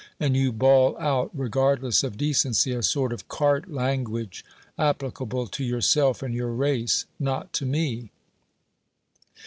And you bawl out, regardless of decency, a sort of cart language, applicable to yourself and your race, not to me.